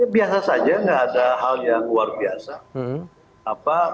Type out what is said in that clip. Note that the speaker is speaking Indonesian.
biasa saja nggak ada hal yang luar biasa